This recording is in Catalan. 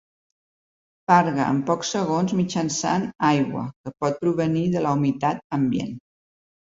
Farga en pocs segons mitjançant aigua, que pot provenir de la humitat ambient.